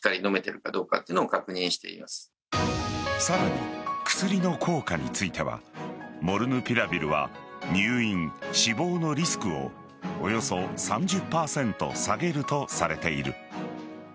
さらに、薬の効果についてはモルヌピラビルは入院、死亡のリスクをおよそ３０％下げるとされている。